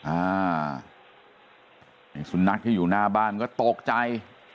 อ่าไอ้สุนัขที่อยู่หน้าบ้านก็ตกใจ